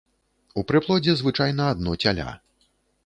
У прыплодзе звычайна адно цяля.